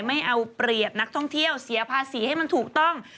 ไม่เอาเปรียบนักท่องเที่ยวเสียภาษีให้มันถูกต้อง